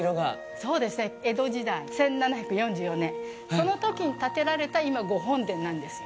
そうですね、江戸時代、１７４４年そのときに建てられた今、御本殿なんですよ。